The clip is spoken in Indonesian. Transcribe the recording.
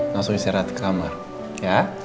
langsung istirahat ke kamar ya